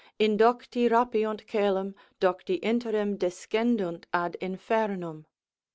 Indocti rapiunt coelum, docti interim descendunt ad infernum.